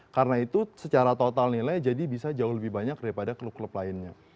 karena itu secara total nilai jadi bisa jauh lebih banyak daripada klub klub lainnya